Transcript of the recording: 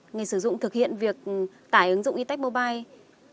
người sử dụng thực hiện việc tải ứng dụng itas mobile